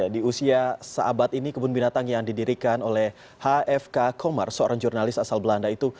di usia seabad ini kebun binatang yang didirikan oleh hfk komar seorang jurnalis asal belanda itu